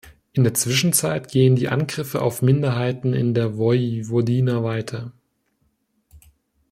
In der Zwischenzeit gehen die Angriffe auf Minderheiten in der Vojvodina weiter.